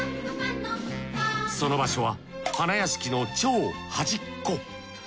その場所は花やしきの超端っこ。